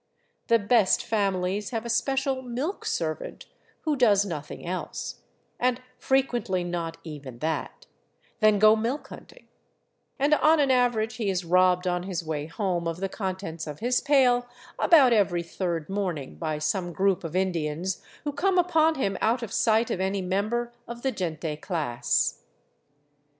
The " best families " have a special milk serv ant who does nothing else — and frequently not even that — than go milk hunting ; and on an average he is robbed on his way home of the contents of his pail about every third morning, by some group of Indians who come upon him out of sight of any member of the gente class.